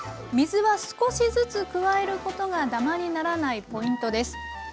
水は少しずつ加えることがだまにならないポイントです。